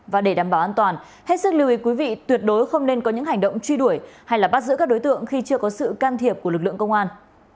và để đảm bảo an toàn hết sức lưu ý quý vị tuyệt đối không nên có những hành động truy đuổi hay bắt giữ các đối tượng khi chưa có sự can thiệp của lực lượng công an